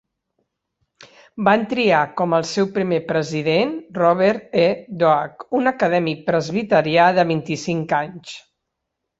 Van triar com al seu primer president Robert E. Doak, un acadèmic presbiterià de vint-i-cinc anys.